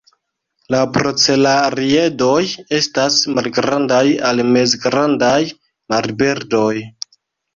La procelariedoj estas malgrandaj al mezgrandaj marbirdoj.